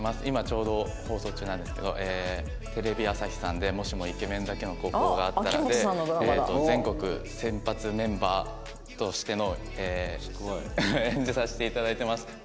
今ちょうど放送中なんですけどテレビ朝日さんで『もしも、イケメンだけの高校があったら』で全国選抜メンバーとしての演じさせていただいてます。